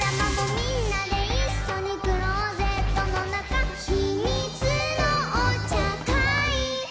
「みんなでいっしょにクローゼットのなか」「ひみつのおちゃかい」